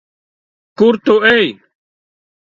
Kur tu ej?